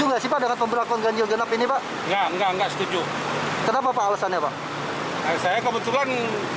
juga sih pada pembelakuan ganjil genap ini pak ya nggak setuju kenapa alasannya pak saya kebetulan